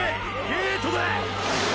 ゲートだ！！